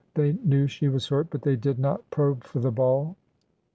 They knew she was hurt, but they did not probe for the ball.